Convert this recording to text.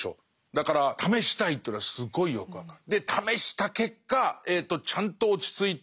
だから試したいというのはすごいよく分かる。